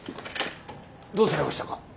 どうされましたか？